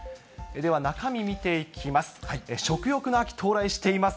では中身、見ていきます。